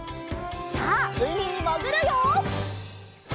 さあうみにもぐるよ！